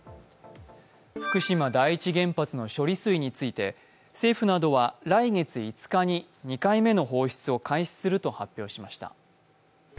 福島第一原発の処理水について政府などは来月５日に２回目の放出を開始すると発表しました。